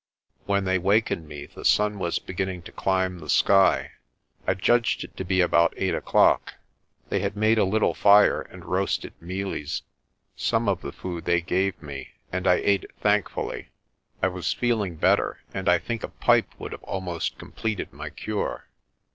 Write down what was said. When they wakened me the sun was beginning to climb the sky. I judged it to be about eight o'clock. They had made a little fire and roasted mealies. Some of the food they gave me, and I ate it thankfully. I was feeling better, and I think a pipe would have almost completed my cure.